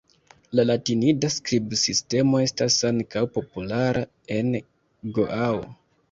La latinida skribsistemo estas ankaŭ populara en Goao.